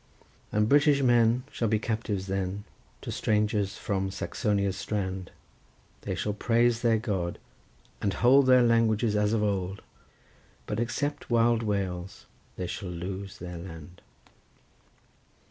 "And British men Shall be captives then To strangers from Saxonia's strand; They shall praise their God, and hold Their language as of old, But except wild Wales they shall lose their land."